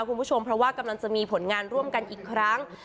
คุณผู้ชมเพราะว่ากำลังจะมีผลงานร่วมกันอีกครั้ง